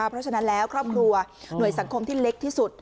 เพราะฉะนั้นแล้วครอบครัวหน่วยสังคมที่เล็กที่สุด